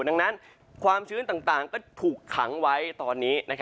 ดังนั้นความชื้นต่างก็ถูกขังไว้ตอนนี้